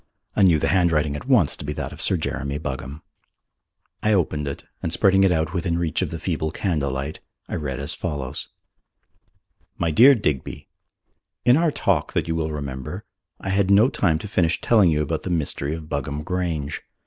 I knew the handwriting at once to be that of Sir Jeremy Buggam. I opened it, and spreading it out within reach of the feeble candlelight, I read as follows: "My dear Digby, "In our talk that you will remember, I had no time to finish telling you about the mystery of Buggam Grange.